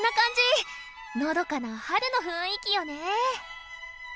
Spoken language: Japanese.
のどかな春の雰囲気よね。